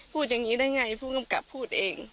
พูดอย่างนี้ได้ไงก็กลับพูดเอง